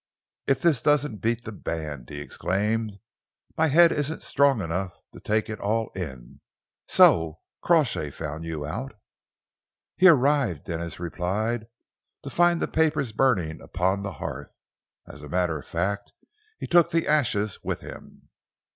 "If this doesn't beat the band!" he exclaimed. "My head isn't strong enough to take it all in. So Crawshay found you out?" "He arrived," Sir Denis replied, "to find the papers burning upon the hearth. As a matter of fact, he took the ashes with him."